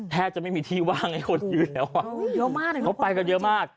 แทบจะไม่มีที่ว่างไอ้คนอยู่แถวข้าง